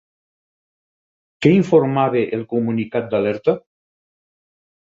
Què informava el comunicat d'alerta?